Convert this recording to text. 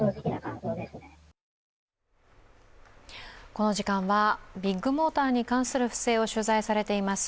この時間はビッグモーターに関する不正を取材されています